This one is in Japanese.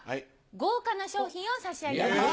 豪華な賞品を差し上げます。